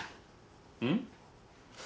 うん？